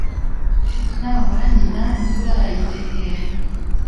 nyabura nyina induru arayidehera